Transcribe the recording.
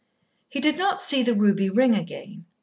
He did not see the ruby ring again.